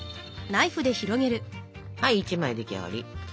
はい１枚出来上がり。